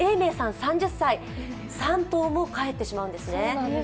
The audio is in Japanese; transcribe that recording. ３０歳、３頭も帰ってしまうんですね。